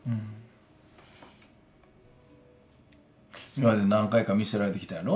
今まで何回か見捨てられてきたんやろ？